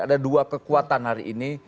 ada dua kekuatan hari ini